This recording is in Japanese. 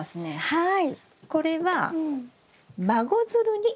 はい。